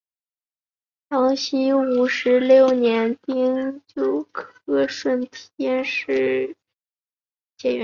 康熙五十六年丁酉科顺天乡试解元。